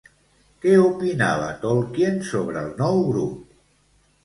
Què opinava Tolkien sobre el nou grup?